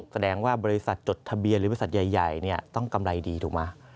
แสดงว่าบริษัทจดทะเบียนหรือบริษัทใหญ่ต้องกำไรดีถูกไหม